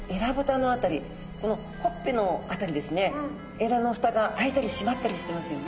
えらの蓋が開いたり閉まったりしてますよね。